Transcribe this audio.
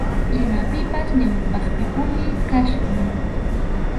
Imapipas ñawpaqpipuni kachkan.